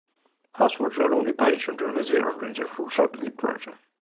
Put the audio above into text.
Haas was the only painter of Theresienstadt who survived imprisonment.